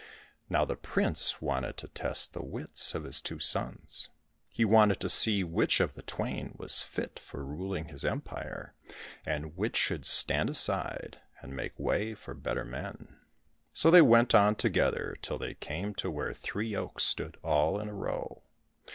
Now the prince wanted to test the wits of his two sons ; he wanted to see which of the twain was fit for ruling his empire, and which should stand aside and make way for better men. So they went on together till they came to where three oaks stood all in a row.